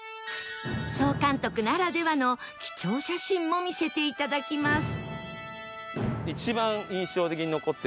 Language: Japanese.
総監督ならではの貴重写真も見せていただきます